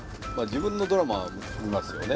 自分のドラマは見ますよね。